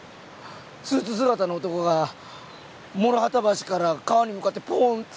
スーツ姿の男が諸畑橋から川に向かってポーンって。